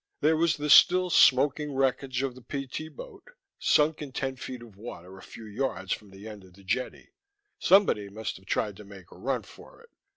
There was the still smoking wreckage of the PT boat, sunk in ten feet of water a few yards from the end of the jetty. Somebody must have tried to make a run for it.